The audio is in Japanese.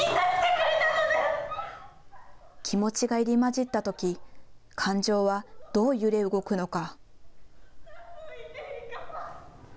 気持ちが入り交じったとき感情はどう揺れ動くのか。